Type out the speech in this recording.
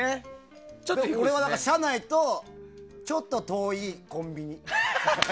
俺は車内とちょっと遠いコンビニ。